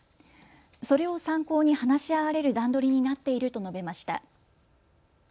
それを参考に話し合われる段取りになっていると述べました。